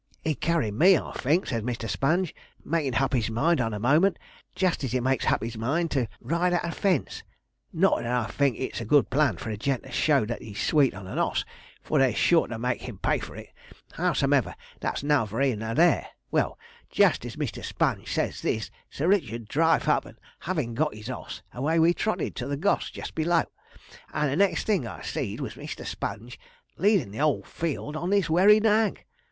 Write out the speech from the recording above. "He'd carry me, I think," said Mr. Sponge, making hup his mind on the moment, jist as he makes hup his mind to ride at a fence not that I think it's a good plan for a gent to show that he's sweet on an oss, for they're sure to make him pay for it. Howsomever, that's nouther here nor there. Well, jist as Mr. Sponge said this, Sir Richard driv' hup, and havin' got his oss, away we trotted to the goss jist below, and the next thing I see'd was Mr. Sponge leadin' the 'ole field on this werry nag.